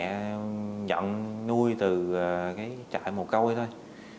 cha mẹ nhận nuôi từ trại mồ côi thôi